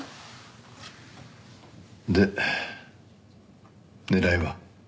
で狙いは？